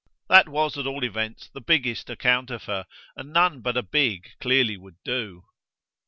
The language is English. That was at all events the biggest account of her, and none but a big clearly would do.